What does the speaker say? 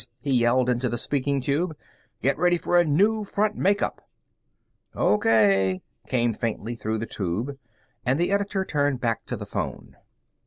he yelled into the speaking tube. "Get ready for a new front make up!" "O.K.," came faintly through the tube, and the editor turned back to the phone.